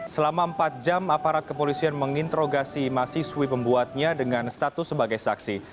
selama empat jam aparat kepolisian menginterogasi mahasiswi pembuatnya dengan status sebagai saksi